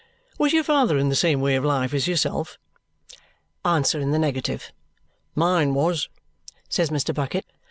Was your father in the same way of life as yourself?" Answer in the negative. "Mine was," says Mr. Bucket.